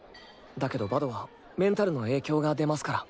だけどバドはメンタルの影響が出ますから。